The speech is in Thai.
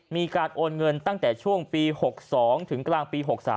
มีการโอนเงินตั้งแต่ช่วงปี๖๒ถึงกลางปี๖๓